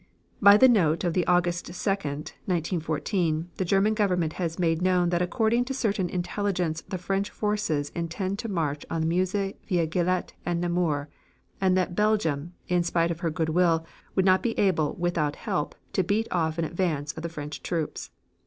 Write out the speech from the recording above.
By the note of the 2d August, 1914, the German Government has made known that according to certain intelligence the French forces intend to march on the Meuse via Givet and Namur and that Belgium, in spite of her good will, would not be able without help to beat off an advance of the French troops.